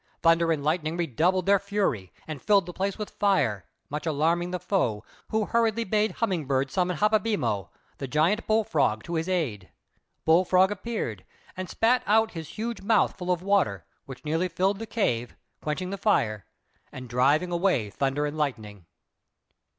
Thunder and Lightning redoubled their fury, and filled the place with fire, much alarming the foe, who hurriedly bade Humming bird summon "Haplebembo," the big bull frog, to his aid. Bull frog appeared, and spat out his huge mouth full of water, which nearly filled the cave, quenching the fire, and driving away Thunder and Lightning.